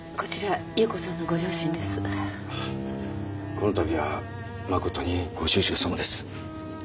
このたびは誠にご愁傷さまです。